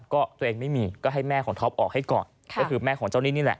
ก็ตัวเองไม่มีก็ให้แม่ของท็อปออกให้ก่อนก็คือแม่ของเจ้านี่นี่แหละ